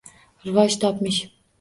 Rivoj topmish